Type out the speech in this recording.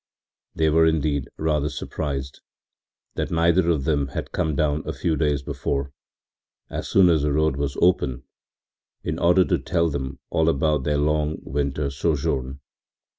They were, indeed, rather surprised that neither of them had come down a few days before, as soon as the road was open, in order to tell them all about their long winter sojourn.